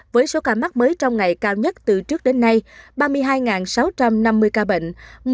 với số ca mắc mới trong ngày cao nhất từ trước đến nay ba mươi hai sáu trăm năm mươi ca bệnh